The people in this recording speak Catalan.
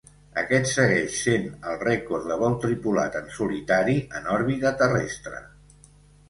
Aquest segueix sent el rècord de vol tripulat en solitari en òrbita terrestre.